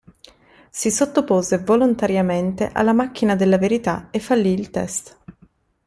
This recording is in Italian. Si sottopose volontariamente alla macchina della verità e fallì il test.